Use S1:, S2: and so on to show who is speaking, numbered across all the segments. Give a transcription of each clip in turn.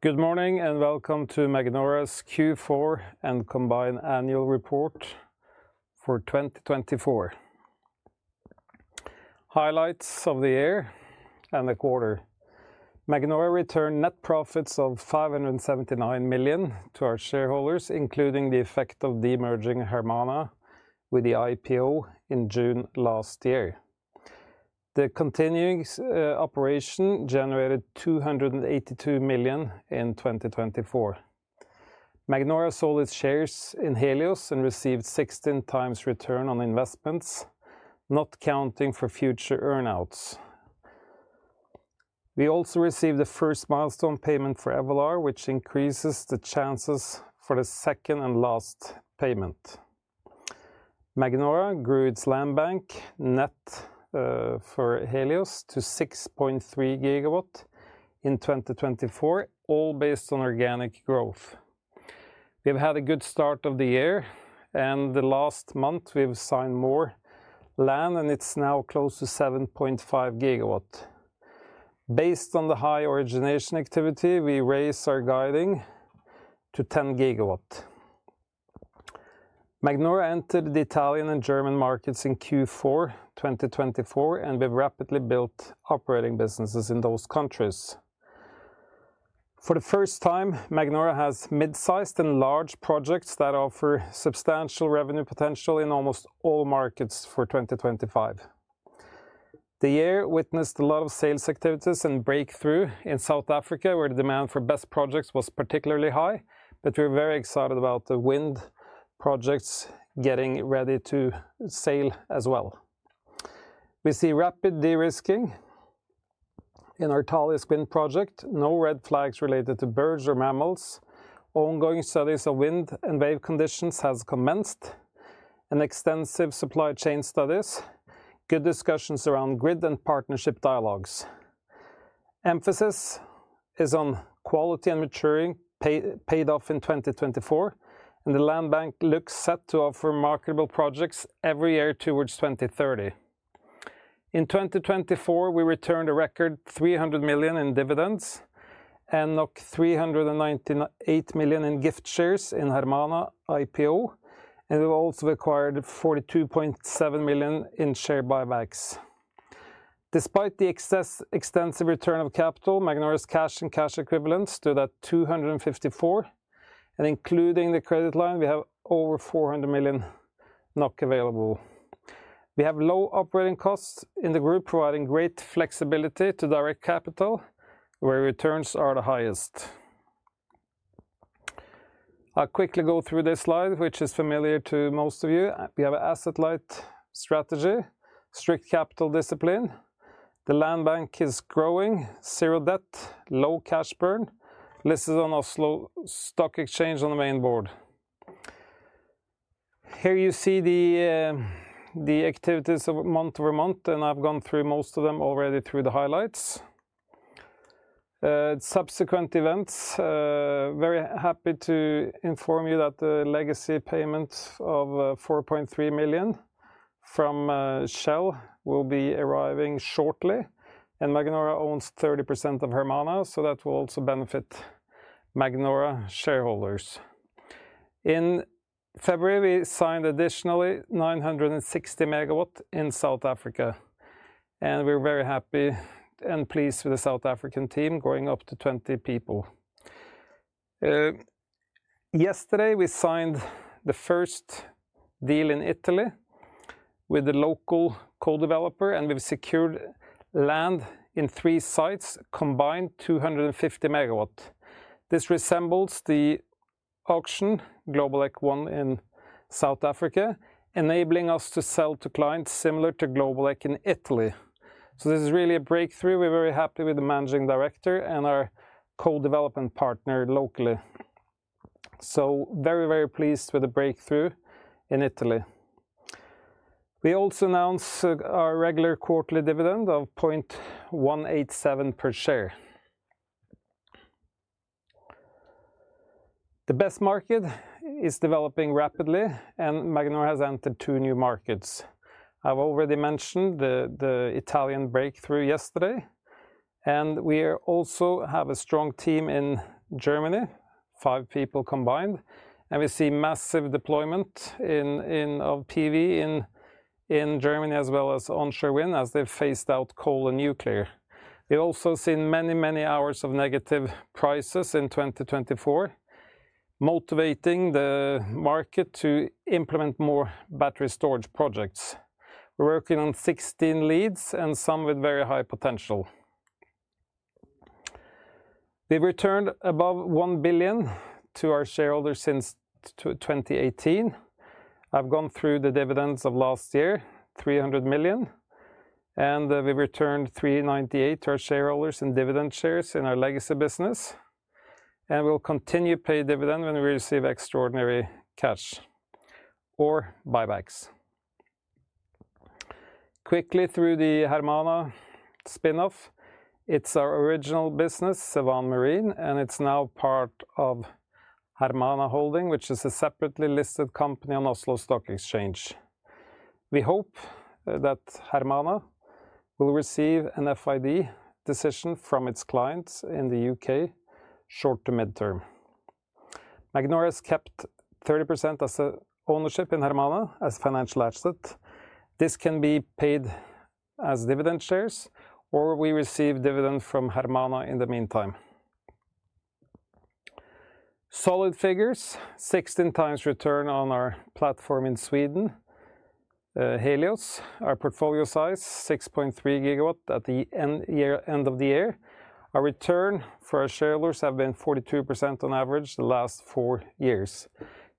S1: Good morning and welcome to Magnora's Q4 and Combined Annual Report for 2024. Highlights of the year and the quarter: Magnora returned net profits of 579 million to our shareholders, including the effect of the emerging Hermana with the IPO in June last year. The continuing operation generated 282 million in 2024. Magnora sold its shares in Helios and received a 16x return on investments, not counting for future earnings. We also received the first milestone payment for Evolar, which increases the chances for the second and last payment. Magnora grew its land bank net for Helios to 6.3 GW in 2024, all based on organic growth. We've had a good start of the year, and the last month we've signed more land, and it's now close to 7.5 GW. Based on the high origination activity, we raised our guiding to 10 GW. Magnora entered the Italian and German markets in Q4 2024, and we've rapidly built operating businesses in those countries. For the first time, Magnora has mid-sized and large projects that offer substantial revenue potential in almost all markets for 2025. The year witnessed a lot of sales activities and breakthroughs in South Africa, where the demand for BESS projects was particularly high. We are very excited about the wind projects getting ready to sail as well. We see rapid de-risking in our tallest wind project, no red flags related to birds or mammals. Ongoing studies of wind and wave conditions have commenced, and extensive supply chain studies, good discussions around grid and partnership dialogues. Emphasis is on quality and maturing paid off in 2024, and the land bank looks set to offer marketable projects every year towards 2030. In 2024, we returned a record 300 million in dividends and knocked 398 million in gift shares in Hermana IPO, and we also acquired 42.7 million in share buybacks. Despite the extensive return of capital, Magnora's cash and cash equivalents do that 254 million, and including the credit line, we have over 400 million NOK available. We have low operating costs in the group, providing great flexibility to direct capital where returns are the highest. I'll quickly go through this slide, which is familiar to most of you. We have an asset light strategy, strict capital discipline. The land bank is growing, zero debt, low cash burn, listed on Oslo Stock Exchange on the Main Board. Here you see the activities of month over month, and I've gone through most of them already through the highlights. Subsequent events, very happy to inform you that the legacy payment of 4.3 million from Shell will be arriving shortly, and Magnora owns 30% of Hermana, so that will also benefit Magnora shareholders. In February, we signed additionally 960 MW in South Africa, and we're very happy and pleased with the South African team growing up to 20 people. Yesterday, we signed the first deal in Italy with the local co-developer, and we've secured land in three sites, combined 250 MW. This resembles the auction Globeleq won in South Africa, enabling us to sell to clients similar to Globeleq in Italy. This is really a breakthrough. We're very happy with the managing director and our co-development partner locally. Very, very pleased with the breakthrough in Italy. We also announced our regular quarterly dividend of 0.187 per share. The BESS market is developing rapidly, and Magnora has entered two new markets. I've already mentioned the Italian breakthrough yesterday, and we also have a strong team in Germany, five people combined, and we see massive deployment of PV in Germany as well as onshore wind as they've phased out coal and nuclear. We've also seen many, many hours of negative prices in 2024, motivating the market to implement more battery storage projects. We're working on 16 leads and some with very high potential. We've returned above 1 billion to our shareholders since 2018. I've gone through the dividends of last year, 300 million, and we've returned 398 million to our shareholders in dividend shares in our legacy business, and we'll continue to pay dividend when we receive extraordinary cash or buybacks. Quickly through the Hermana spinoff, it's our original business, Sevan Marine, and it's now part of Hermana Holding, which is a separately listed company on Oslo Stock Exchange. We hope that Hermana will receive an FID decision from its clients in the U.K. short to midterm. Magnora has kept 30% as ownership in Hermana as financial asset. This can be paid as dividend shares, or we receive dividend from Hermana in the meantime. Solid figures, 16x return on our platform in Sweden, Helios, our portfolio size 6.3 GW at the end of the year. Our return for our shareholders has been 42% on average the last four years.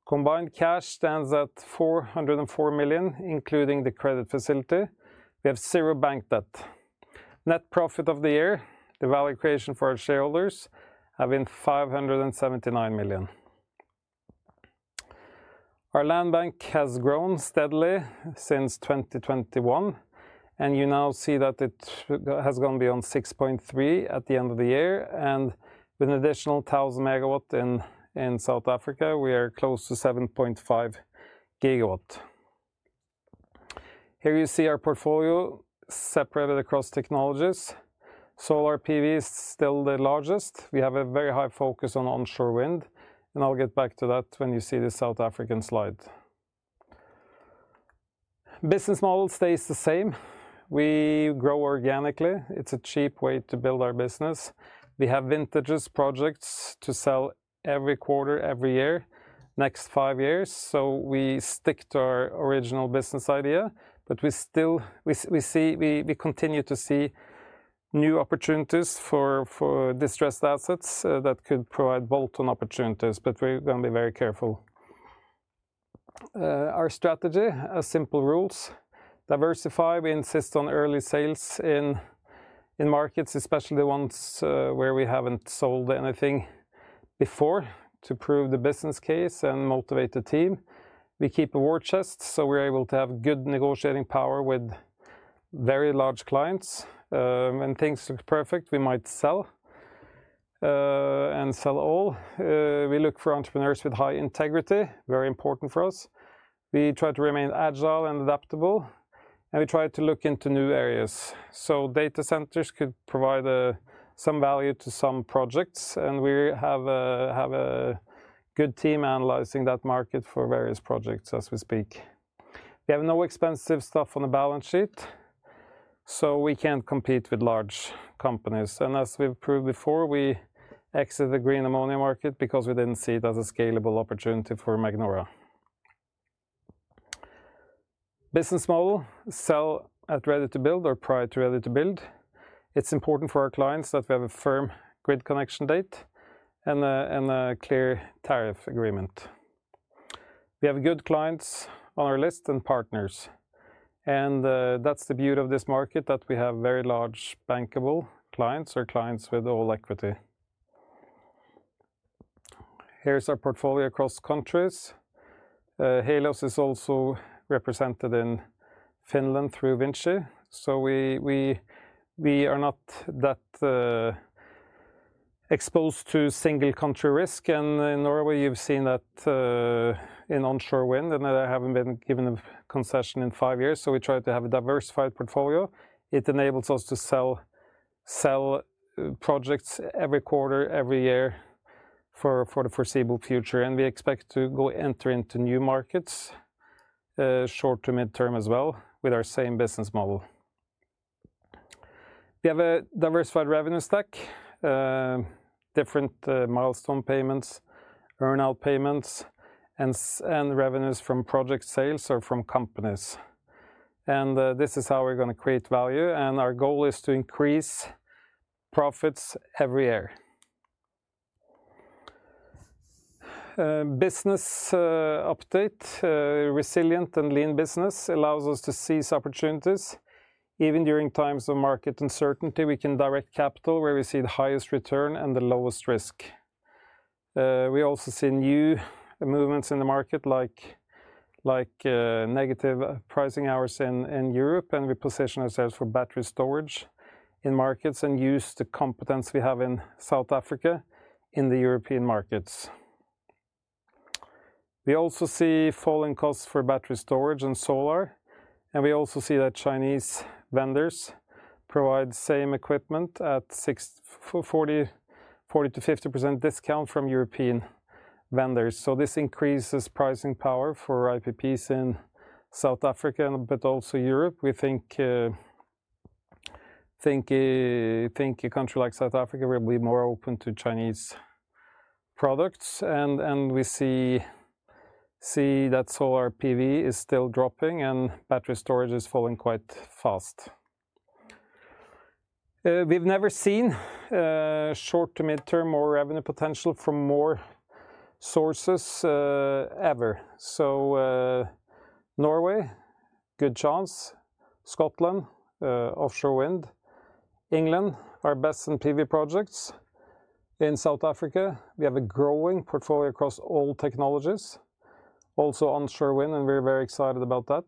S1: Combined cash stands at 404 million, including the credit facility. We have zero bank debt. Net profit of the year, the value creation for our shareholders, has been 579 million. Our land bank has grown steadily since 2021, and you now see that it has gone beyond 6.3 at the end of the year, and with an additional 1,000 MW in South Africa, we are close to 7.5 GW. Here you see our portfolio separated across technologies. Solar PV is still the largest. We have a very high focus on onshore wind, and I'll get back to that when you see the South African slide. Business model stays the same. We grow organically. It's a cheap way to build our business. We have vintage projects to sell every quarter, every year, next five years. We stick to our original business idea, but we still continue to see new opportunities for distressed assets that could provide bolt-on opportunities, but we're going to be very careful. Our strategy has simple rules. Diversify. We insist on early sales in markets, especially the ones where we haven't sold anything before, to prove the business case and motivate the team. We keep war chests, so we're able to have good negotiating power with very large clients. When things look perfect, we might sell and sell all. We look for entrepreneurs with high integrity, very important for us. We try to remain agile and adaptable, and we try to look into new areas. Data centers could provide some value to some projects, and we have a good team analyzing that market for various projects as we speak. We have no expensive stuff on the balance sheet, so we can't compete with large companies. As we've proved before, we exited the green ammonia market because we didn't see it as a scalable opportunity for Magnora. Business model: sell at ready to build or prior to ready to build. It's important for our clients that we have a firm grid connection date and a clear tariff agreement. We have good clients on our list and partners, and that's the beauty of this market, that we have very large bankable clients or clients with all equity. Here's our portfolio across countries. Helios is also represented in Finland through Vinci, so we are not that exposed to single country risk, and in Norway, you've seen that in onshore wind, and I haven't been given a concession in five years. We try to have a diversified portfolio. It enables us to sell projects every quarter, every year for the foreseeable future, and we expect to go enter into new markets short to midterm as well with our same business model. We have a diversified revenue stack, different milestone payments, earn-out payments, and revenues from project sales or from companies. This is how we're going to create value, and our goal is to increase profits every year. Business update: resilient and lean business allows us to seize opportunities. Even during times of market uncertainty, we can direct capital where we see the highest return and the lowest risk. We also see new movements in the market, like negative pricing hours in Europe, and we position ourselves for battery storage in markets and use the competence we have in South Africa in the European markets. We also see falling costs for battery storage and solar, and we also see that Chinese vendors provide the same equipment at 40%-50% discount from European vendors. This increases pricing power for IPPs in South Africa and also Europe. We think a country like South Africa will be more open to Chinese products, and we see that solar PV is still dropping and battery storage is falling quite fast. We've never seen short to midterm or revenue potential from more sources ever. Norway, good chance. Scotland, offshore wind. England, our BESS in PV projects. In South Africa, we have a growing portfolio across all technologies, also onshore wind, and we're very excited about that.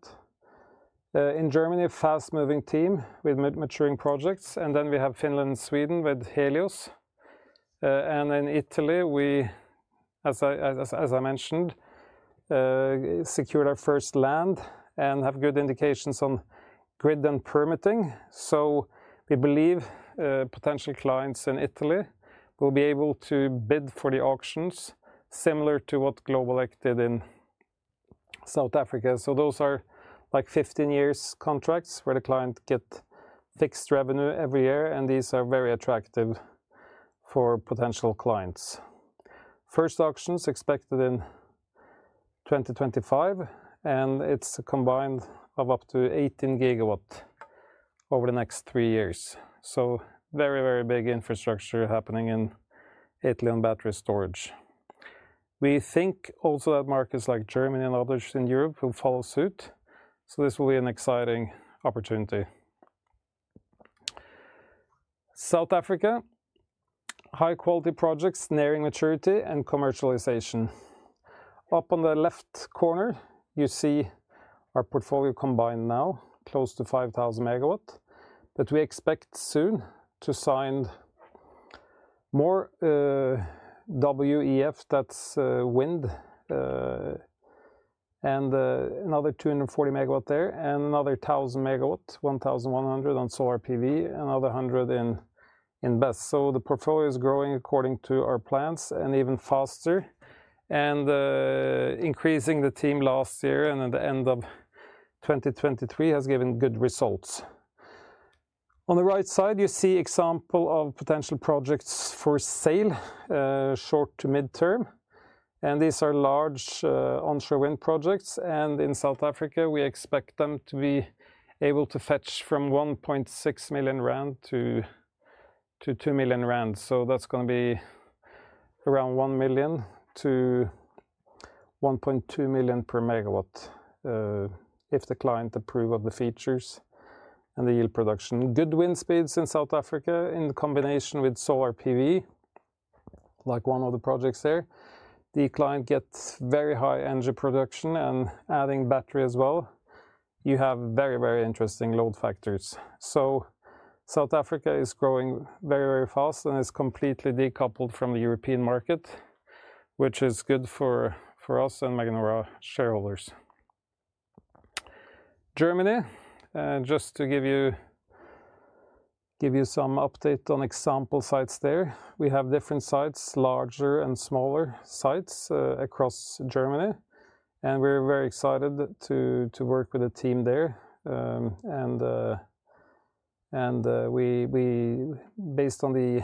S1: In Germany, a fast-moving team with maturing projects, and then we have Finland and Sweden with Helios. In Italy, we, as I mentioned, secured our first land and have good indications on grid and permitting. We believe potential clients in Italy will be able to bid for the auctions similar to what Globeleq did in South Africa. Those are like 15-year contracts where the client gets fixed revenue every year, and these are very attractive for potential clients. First auctions expected in 2025, and it is a combined of up to 18 GW over the next three years. Very, very big infrastructure happening in Italy on battery storage. We think also that markets like Germany and others in Europe will follow suit, so this will be an exciting opportunity. South Africa, high-quality projects nearing maturity and commercialization. Up on the left corner, you see our portfolio combined now, close to 5,000 MW, that we expect soon to sign more WEF, that is wind, and another 240 MW there, and another 1,000 MW, 1,100 on solar PV, another 100 in BESS. The portfolio is growing according to our plans and even faster, and increasing the team last year and at the end of 2023 has given good results. On the right side, you see an example of potential projects for sale, short to midterm, and these are large onshore wind projects, and in South Africa, we expect them to be able to fetch from NOK 1.6 million-NOK 2 million. That is going to be around 1 million-1.2 million per megawatt if the client approves of the features and the yield production. Good wind speeds in South Africa in combination with solar PV, like one of the projects there, the client gets very high energy production and adding battery as well. You have very, very interesting load factors. South Africa is growing very, very fast and is completely decoupled from the European market, which is good for us and Magnora shareholders. Germany, just to give you some update on example sites there, we have different sites, larger and smaller sites across Germany, and we're very excited to work with the team there. Based on the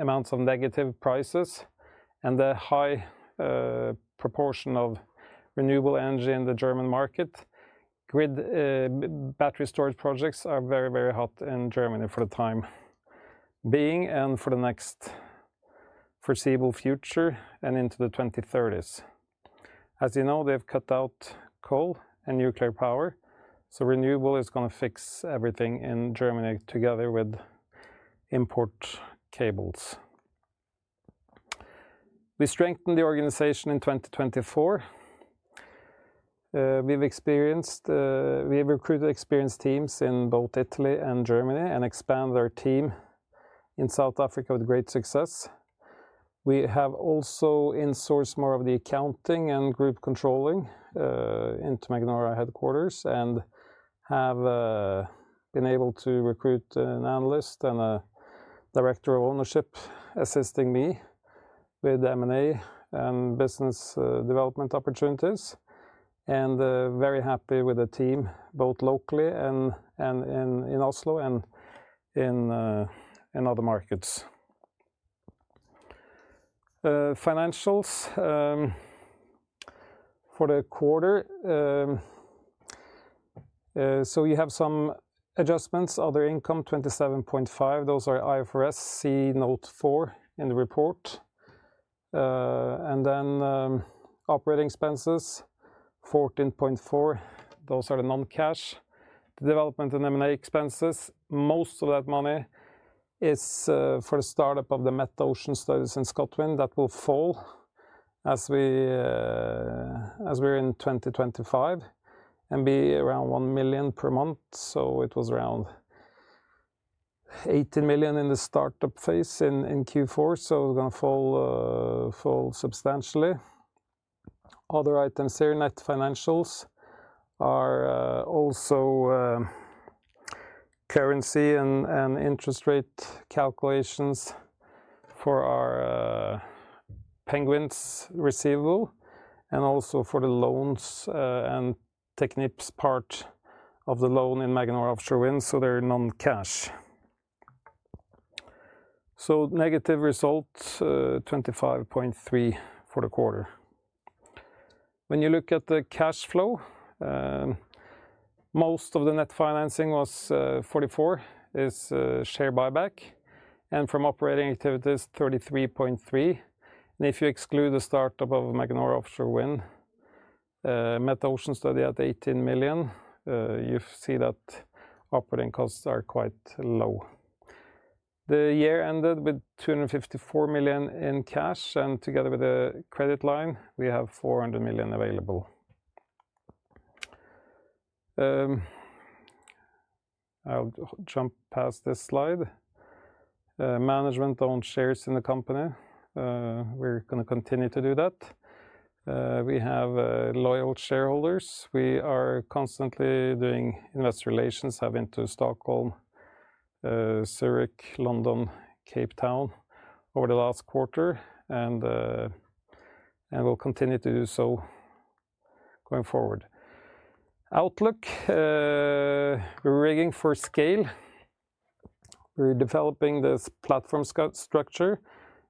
S1: amounts of negative prices and the high proportion of renewable energy in the German market, grid battery storage projects are very, very hot in Germany for the time being and for the next foreseeable future and into the 2030s. As you know, they've cut out coal and nuclear power, so renewable is going to fix everything in Germany together with import cables. We strengthened the organization in 2024. We've recruited experienced teams in both Italy and Germany and expanded our team in South Africa with great success. We have also insourced more of the accounting and group controlling into Magnora headquarters and have been able to recruit an analyst and a Director of Ownership assisting me with M&A and business development opportunities, and very happy with the team both locally and in Oslo and in other markets. Financials for the quarter. We have some adjustments, other income 27.5 million. Those are IFRS. See note 4 in the report. Operating expenses 14.4 million. Those are the non-cash. The development and M&A expenses, most of that money is for the startup of the metocean studies in Scotland that will fall as we are in 2025 and be around 1 million per month. It was around 18 million in the startup phase in Q4, so it is going to fall substantially. Other items here, net financials, are also currency and interest rate calculations for our Penguins receivable and also for the loans and Technip's part of the loan in Magnora Offshore Wind, so they're non-cash. Negative result 25.3 million for the quarter. When you look at the cash flow, most of the net financing was 44 million is share buyback and from operating activities 33.3 million. If you exclude the startup of Magnora Offshore Wind, metocean study at 18 million, you see that operating costs are quite low. The year ended with 254 million in cash, and together with the credit line, we have 400 million available. I'll jump past this slide. Management owned shares in the company. We're going to continue to do that. We have loyal shareholders. We are constantly doing investor relations, having to Stockholm, Zurich, London, Cape Town over the last quarter, and we'll continue to do so going forward. Outlook, we're rigging for scale. We're developing this platform structure,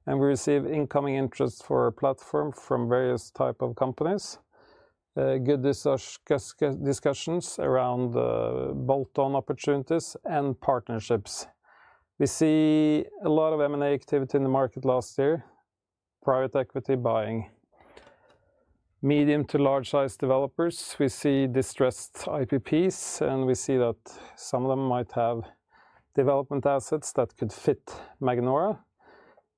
S1: and we receive incoming interest for our platform from various types of companies. Good discussions around bolt-on opportunities and partnerships. We see a lot of M&A activity in the market last year, private equity buying. Medium to large-sized developers, we see distressed IPPs, and we see that some of them might have development assets that could fit Magnora.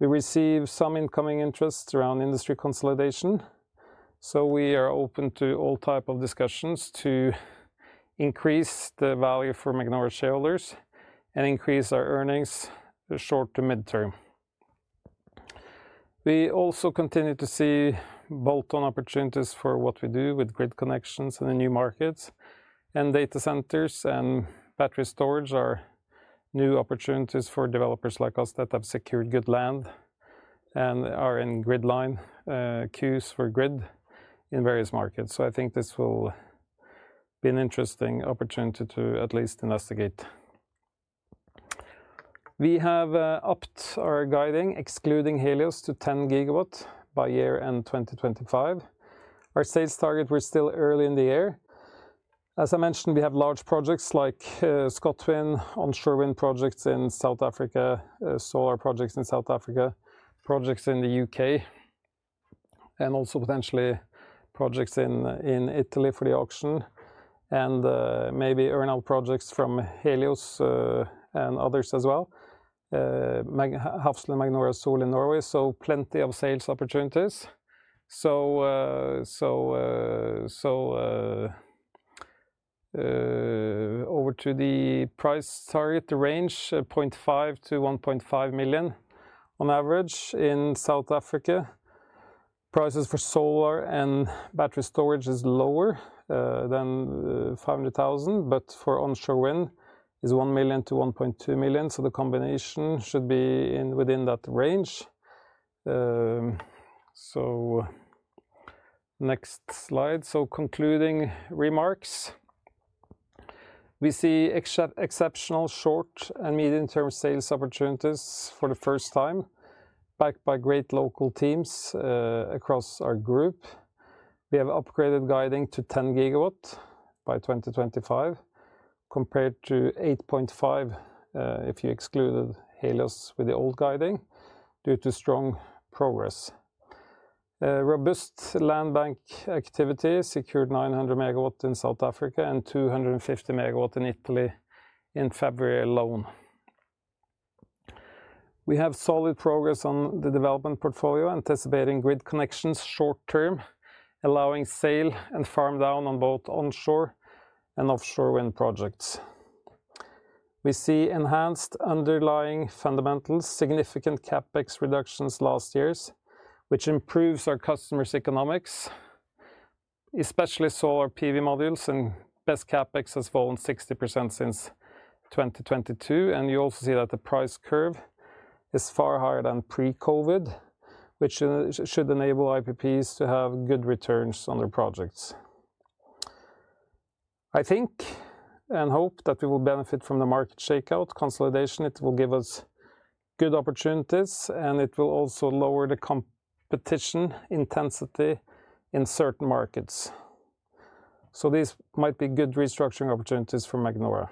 S1: We receive some incoming interests around industry consolidation, so we are open to all types of discussions to increase the value for Magnora shareholders and increase our earnings short to midterm. We also continue to see bolt-on opportunities for what we do with grid connections and the new markets, and data centers and battery storage are new opportunities for developers like us that have secured good land and are in grid line queues for grid in various markets. I think this will be an interesting opportunity to at least investigate. We have upped our guiding, excluding Helios, to 10 GW by year end 2025. Our sales target, we're still early in the year. As I mentioned, we have large projects like ScotWind, onshore wind projects in South Africa, solar projects in South Africa, projects in the U.K., and also potentially projects in Italy for the auction, and maybe earn-out projects from Helios and others as well, Hafslund Magnora Sol in Norway, so plenty of sales opportunities. Over to the price target range, 500,000 million -1.5 million on average in South Africa. Prices for solar and battery storage is lower than 500,000, but for onshore wind is 1 million-1.2 million, so the combination should be within that range. Next slide. Concluding remarks, we see exceptional short and medium-term sales opportunities for the first time, backed by great local teams across our group. We have upgraded guiding to 10 GW by 2025, compared to 8.5 million if you excluded Helios with the old guiding due to strong progress. Robust land bank activity secured 900 MW in South Africa and 250 MW in Italy in February alone. We have solid progress on the development portfolio, anticipating grid connections short term, allowing sale and farm down on both onshore and offshore wind projects. We see enhanced underlying fundamentals, significant CapEx reductions last years, which improves our customers' economics, especially solar PV modules, and BESS CapEx has fallen 60% since 2022. You also see that the price curve is far higher than pre-COVID, which should enable IPPs to have good returns on their projects. I think and hope that we will benefit from the market shakeout consolidation. It will give us good opportunities, and it will also lower the competition intensity in certain markets. These might be good restructuring opportunities for Magnora.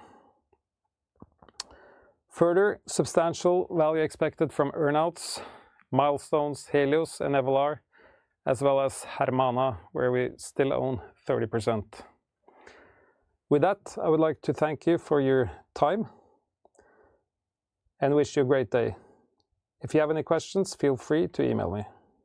S1: Further, substantial value expected from earn-outs, milestones, Helios and Evolar, as well as Hermana, where we still own 30%. With that, I would like to thank you for your time and wish you a great day. If you have any questions, feel free to email me.